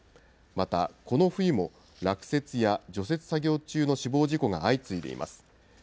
また、この冬も、落雪や除雪作業中の死亡事故が相次いでいます。